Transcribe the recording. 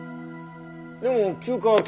でも休暇は今日。